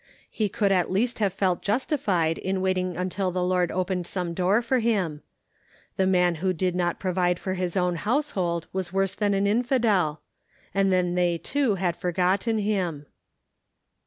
He could at least have felt justified in wait ing until the Lord opened some door for him. The man who did not provide for his own household was worse than an infidel. And then they, too, had forgotten him.